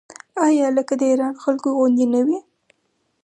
آیا لکه د ایران خلکو غوندې نه وي؟